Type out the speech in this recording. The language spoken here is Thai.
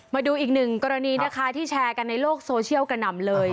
มาดูอีกหนึ่งกรณีนะคะที่แชร์กันในโลกโซเชียลกระหน่ำเลย